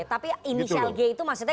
tapi inisial g itu maksudnya